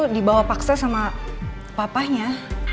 dibawa paksa sama papahnya